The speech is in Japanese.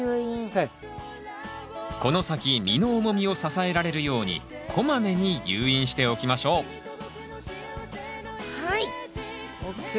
この先実の重みを支えられるようにこまめに誘引しておきましょうはい。ＯＫ。